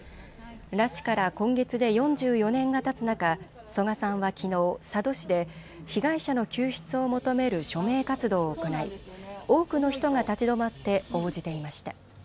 拉致から今月で４４年がたつ中、曽我さんはきのう佐渡市で被害者の救出を求める署名活動を行い多くの人が立ち止まって応じていました。